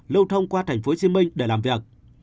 lưu thông qua tp hcm để làm việc